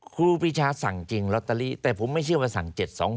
ครูปีชาสั่งจริงลอตเตอรี่แต่ผมไม่เชื่อว่าสั่ง๗๒๖